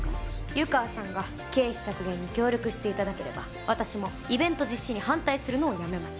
湯川さんが経費削減に協力していただければ私もイベント実施に反対するのをやめます。